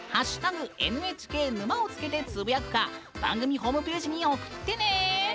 「＃ＮＨＫ沼」をつけてつぶやくか番組ホームページに送ってね！